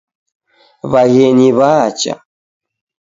Waghenyi wacha.